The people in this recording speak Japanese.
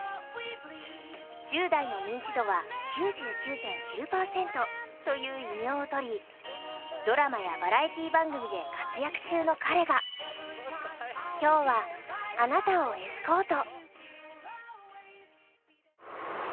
１０代の認知度は９９．９％という異名をとりドラマやバラエティー番組で活躍中の彼が今日はあなたをエスコート。